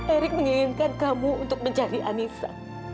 erick menginginkan kamu untuk mencari anissa